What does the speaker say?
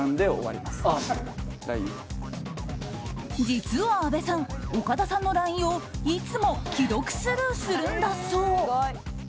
実は阿部さん岡田さんのＬＩＮＥをいつも既読スルーするんだそう。